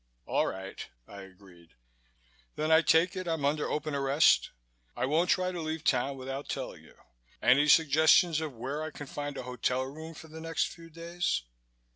"All right," I agreed. "Then I take it I'm under open arrest. I won't try to leave town without telling you. Any suggestions of where I can find a hotel room for the next few days?"